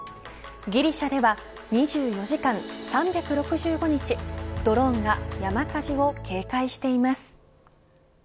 ギリシャでは２４時間３６５日ドローンが山火事を警戒しています。